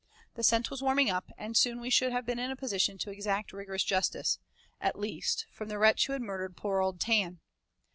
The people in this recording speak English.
The scent was warming up, and soon we should have been in a position to exact rigorous justice, at least, from the wretch who had murdered poor old Tan.